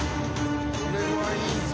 これはいいぞ。